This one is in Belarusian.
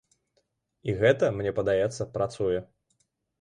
І гэта, мне падаецца, працуе.